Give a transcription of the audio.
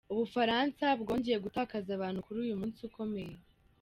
U Bufaransa bwongeye gutakaza abantu kuri uyu munsi ukomeye.